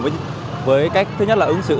với cách thứ nhất là ứng xử